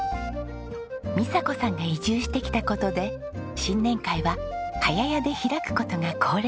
美佐子さんが移住してきた事で新年会は茅屋やで開く事が恒例になりました。